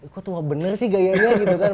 kok bener sih gaya nya gitu kan